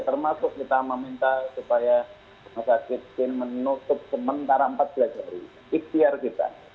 termasuk kita meminta supaya rumah sakit bin menutup sementara empat belas hari ikhtiar kita